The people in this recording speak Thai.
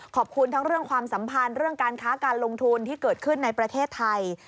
ขอบคุณทั้งเรื่องความสัมพันธ์เรื่องการค้าการลงทุนที่เกิดขึ้นในประเทศไทย